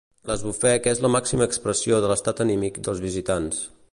L'esbufec és la màxima expressió de l'estat anímic dels visitants.